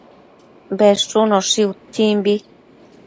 Bedshunoshi utsimbi